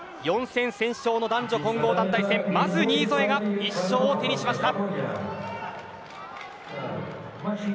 ４戦先勝の男女混合団体戦まず新添が１勝を手にしました。